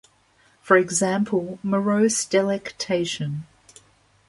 For example, morose delectation.